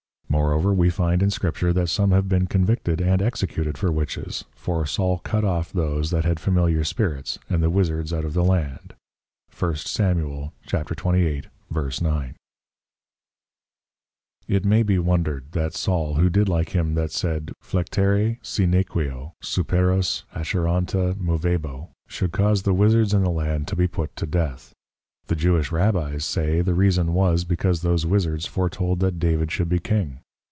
Moreover we find in Scripture, that some have been convicted and executed for Witches: For Saul cut off those that had familiar Spirits, and the Wizzards out of the Land, 1 Sam. 28.9. It may be wondered that Saul who did like him that said, Flectere si nequeo Superos Acheronta Movebo, should cause the Wizzards in the Land to be put to death. The Jewish Rabbies say, the reason was, because those Wizzards foretold that David should be King.